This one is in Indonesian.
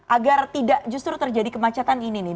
agar tidak justru terjadi kemacetan ini nih